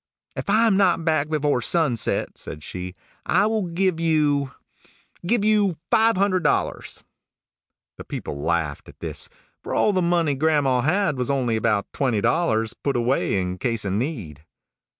"If I am not back before sunset," said she, "I will give you give you five hundred dollars." The people laughed at this; for all the money grandma had was only about twenty dollars, put away in case of need.